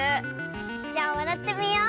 じゃわらってみよう。